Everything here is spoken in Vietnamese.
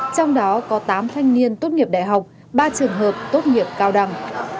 trong đó có tám thanh niên tốt nghiệp đại học ba trường hợp tốt nghiệp cao đẳng